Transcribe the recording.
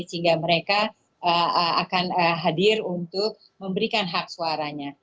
sehingga mereka akan hadir untuk memberikan hak suaranya